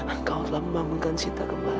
engkau telah membangunkan kita kembali